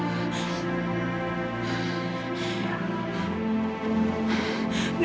aku lupa sama dia